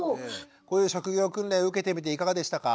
こういう職業訓練受けてみていかがでしたか？